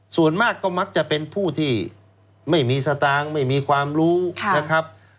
ส่วนมากก็มักจะเป็นผู้ที่ไม่มีสตางค์ไม่มีความรู้นะครับ